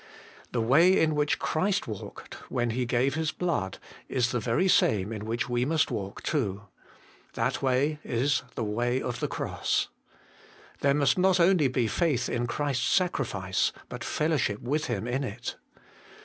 The way in which Christ walked when He gave His blood, is the very same in which we must walk too. That way is the way of the Cross. There must not only be faith in Christ's sacrifice, but fellowship with Him in it.